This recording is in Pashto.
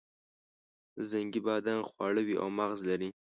زنګي بادام خواږه وي او مغز لري.